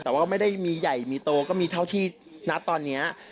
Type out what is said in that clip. แต่ว่าไม่ได้มีใหญ่มีโตก็มีเท่าที่ณตอนนี้